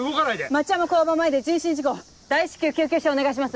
町山交番前で人身事故大至急救急車お願いします。